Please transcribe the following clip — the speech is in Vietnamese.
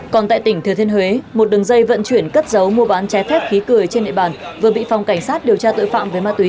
còn tại tỉnh thừa thiên huế một đường dây vận chuyển cất dấu mua bán trái phép khí cười trên địa bàn vừa bị phòng cảnh sát điều tra tội phạm về ma túy